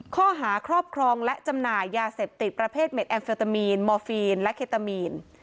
ข้อหาครอบครองและจำหน่ายยาเสพติดประเภทเด็ดแอมเฟตามีนมอร์ฟีนและเคตามีน